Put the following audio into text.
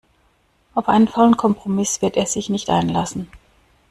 Auf einen faulen Kompromiss wird er sich nicht einlassen.